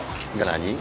何？